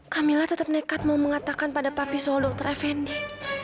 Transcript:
kamila tetap nekat mau mengatakan pada papi soal dokter effendi